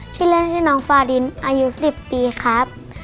ชื่อเล่นชื่อน้องฟาดินอายุ๑๐ปีครับ